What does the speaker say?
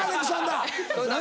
何？